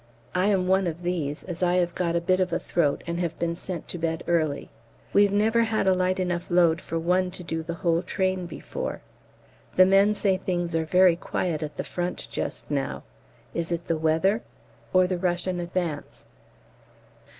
I am one of these, as I have got a bit of a throat and have been sent to bed early. We've never had a light enough load for one to do the whole train before. The men say things are very quiet at the Front just now. Is it the weather or the Russian advance?